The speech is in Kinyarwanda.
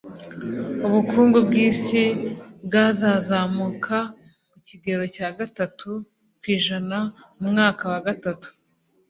ubukungu bw' isi bwazazamuka ku kigero cya gatatu kw'ijana mu mwaka wa gatatu